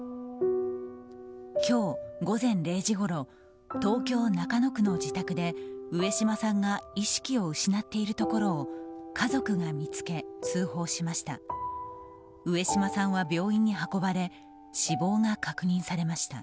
今日午前０時ごろ東京・中野区の自宅で上島さんが意識を失っているところを家族が見つけ、通報しました。